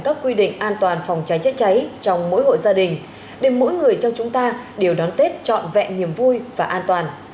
các quy định an toàn phòng cháy chữa cháy trong mỗi hộ gia đình để mỗi người trong chúng ta đều đón tết trọn vẹn niềm vui và an toàn